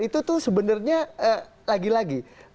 itu tuh sebenarnya lagi lagi